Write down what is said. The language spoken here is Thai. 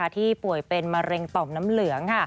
ที่ป่วยเป็นมะเร็งต่อมน้ำเหลือง